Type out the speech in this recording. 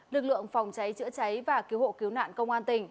lực lượng phòng cháy chữa cháy và cứu hộ cứu nạn công an tỉnh